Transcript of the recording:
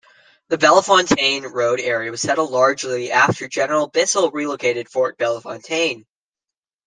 The Bellefontaine Road area was settled largely after General Bissell relocated Fort Bellefontaine.